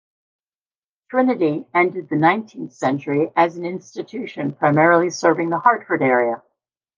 Trinity ended the nineteenth century as an institution primarily serving the Hartford area.